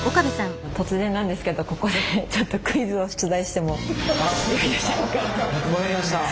突然なんですけどここでちょっとクイズを出題してもよいでしょうか？